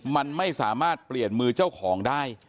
มันไม่สามารถเปลี่ยนมือเจ้าของได้